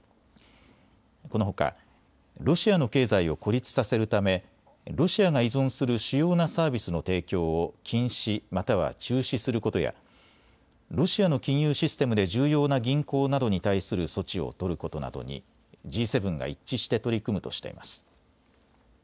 このほかロシアの経済を孤立させるためロシアが依存する主要なサービスの提供を禁止、または中止することやロシアの金融システムで重要な銀行などに対する措置を取ることなどにＧ７が一致して取り組むとしています。